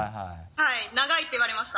はい長いって言われました。